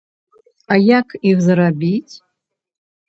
А як іх зарабіць?